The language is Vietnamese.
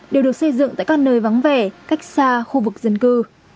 đều được xây dựng tại các nơi vắng vẻ cách xa khu vực dân cư